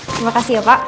terima kasih ya pak